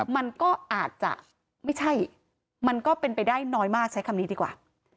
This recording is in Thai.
มันก็อาจจะไม่ใช่มันก็เป็นไปได้น้อยมากใช้คำนี้ดีกว่า